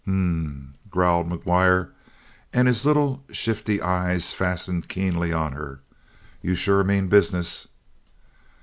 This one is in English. "H m m," growled McGuire, and his little shifty eyes fastened keenly on her. "You sure mean business!"